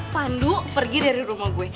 pandu pergi dari rumah gue